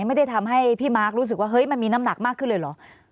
ไม่ได้ทำให้พี่มาร์ครู้สึกว่าเฮ้ยมันมีน้ำหนักมากขึ้นเลยเหรอ